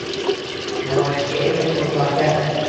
Namoyishga el qo’zg’algan